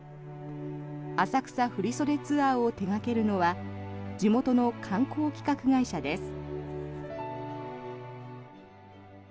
浅草振袖ツアーを手掛けるのは地元の観光企画会社です。